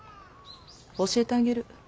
教えてあげる。